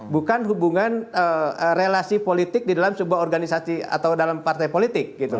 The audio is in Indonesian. bukan hubungan relasi politik di dalam sebuah organisasi atau dalam partai politik gitu